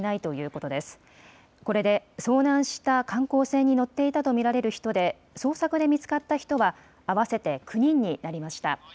これで遭難した観光船に乗っていたと見られる人で捜索で見つかった人は合わせて９人になりました。